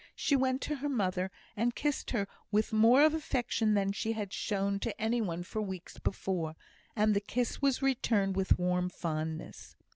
She went to her mother, and kissed her with more of affection than she had shown to any one for weeks before; and the kiss was returned with warm fondness.